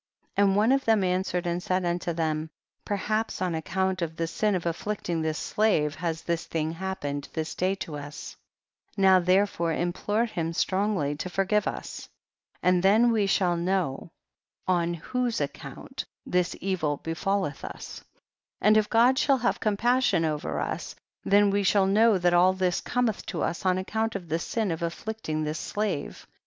And one of them answered and said unto them, perhaps on ac count of the sin of afflicting this slave has this thing happened this day to us ; now therefore implore him strongly to forgive us, and then we shall know on whose account this 132 THE BOOK OF JASHER. evil befalleth us ; and if God shall have compassion over us, then we shall know that all this cometh to us on account of the sin of afflicting this slave.